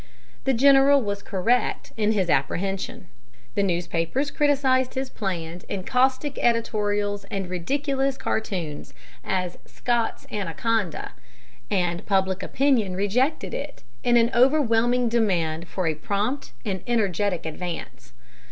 The general was correct in his apprehension. The newspapers criticized his plan in caustic editorials and ridiculous cartoons as "Scott's Anaconda," and public opinion rejected it in an overwhelming demand for a prompt and energetic advance.